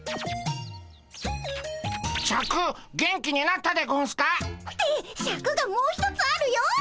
シャク元気になったでゴンスか？ってシャクがもう一つあるよっ！